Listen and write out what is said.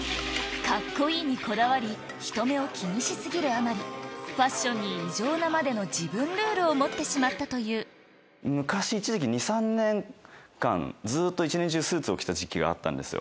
カッコいいにこだわり人目を気にし過ぎるあまりファッションに異常なまでの自分ルールを持ってしまったという昔一時期。を着てた時期があったんですよ。